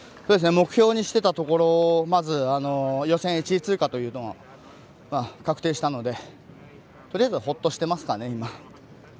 目標にしていたところまず予選１位通過というのが確定したのでとりあえずはほっとしてますかね。